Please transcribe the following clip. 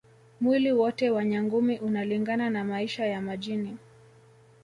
Mwili wote wa Nyangumi unalingana na maisha ya majini